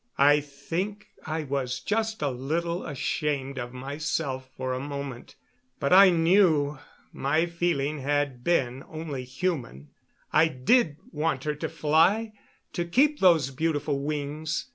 I think I was just a little ashamed of myself for a moment. But I knew my feeling had been only human. I did want her to fly, to keep those beautiful wings.